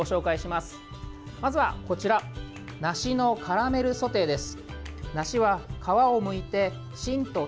まずは、こちら梨のカラメルソテーです。